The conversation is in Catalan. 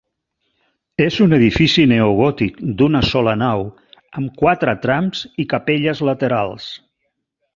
És un edifici neogòtic d'una sola nau amb quatre trams i capelles laterals.